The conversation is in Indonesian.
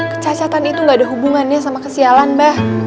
kecacatan itu gak ada hubungannya sama kesialan mbah